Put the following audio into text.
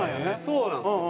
そうなんですよ。